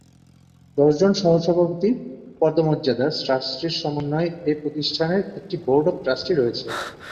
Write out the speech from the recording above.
দশ জন সহসভাপতির পদমর্যাদার ট্রাস্টির সমন্বয়ে এ প্রতিষ্ঠানের একটি বোর্ড অব ট্রাস্টি রয়েছে।